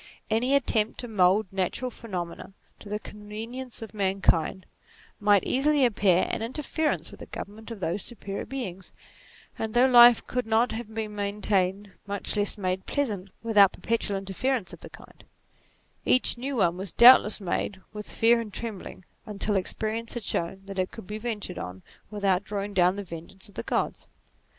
Any attempt to mould natural phenomena to the convenience of mankind might easily appear an interference with the government of those superior beings : and though life could not have been maintained, much less made pleasant, without perpetual interferences of the kind, each new one was doubtless made with fear and trembling, until experience had shown that it could be ventured on without drawing down the vengeance of the Gods.